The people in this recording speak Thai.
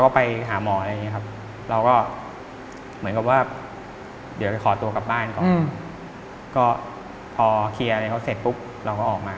ก็พอเคลียร์เสร็จปุ๊บเราก็ออกมา